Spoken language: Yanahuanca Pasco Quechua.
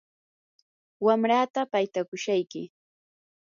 wamrataa paytakushayki.